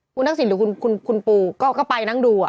คุณทักษิณหรือคุณปูก็ไปนั่งดู